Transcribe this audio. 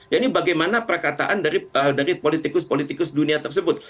ya ini bagaimana perkataan dari politikus politikus dunia tersebut